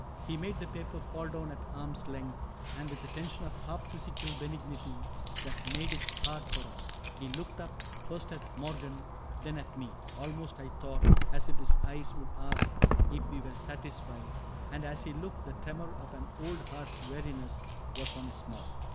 He made the paper fall down at arm's length \ And with a tension of half quizzical Benignity that made it hard for us, He looked up — first at Morgan, then at me — Almost, I thought, as if his eyes would ask If we were satisfied ; and as he looked. The tremor of an old heart's weariness Was on his mouth.